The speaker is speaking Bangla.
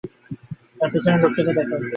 তার পেছনের লোকটাকে দেখো।